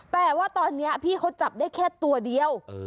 แต่ว่าตอนนี้พี่เขาจับได้แค่ตัวเดียว